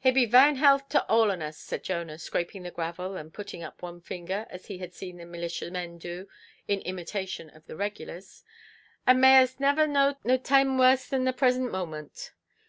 "Here be vaine health to all on us", said Jonah, scraping the gravel and putting up one finger as he had seen the militia men do (in imitation of the regulars); "and may us nayver know no taime warse than the prasent mawment".